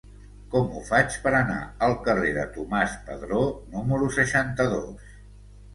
Com ho faig per anar al carrer de Tomàs Padró número seixanta-dos?